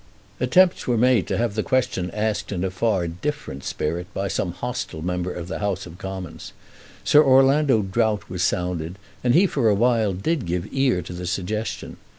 Attempts were made to have the question asked in a far different spirit by some hostile member of the House of Commons. Sir Orlando Drought was sounded, and he for a while did give ear to the suggestion.